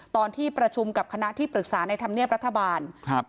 ตอนที่ประชุมกับคณะที่ปรึกษาในธรรมเนียบรัฐบาลครับ